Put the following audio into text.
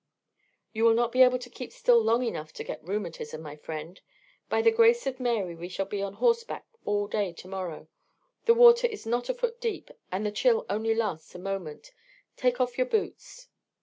"You will not be able to keep still long enough to get rheumatism, my friend. By the grace of Mary we shall be on horseback all day to morrow. The water is not a foot deep, and the chill only lasts a moment. Take off your boots."